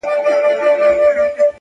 • كله ـناكله غلتيږي څــوك غوصه راځـي ـ